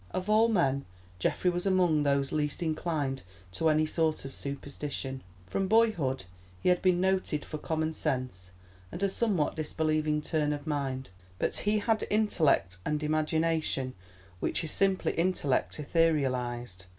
Of all men Geoffrey was among those least inclined to any sort of superstition; from boyhood he had been noted for common sense, and a somewhat disbelieving turn of mind. But he had intellect, and imagination which is simply intellect etherealised.